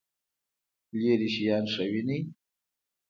لرې شیان ښه وینئ؟